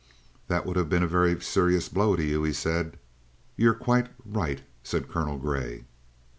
"That would have been a very serious blow to you," he said. "You're quite right," said Colonel Grey.